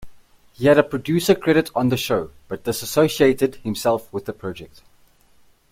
He had a producer credit on the show, but disassociated himself with the project.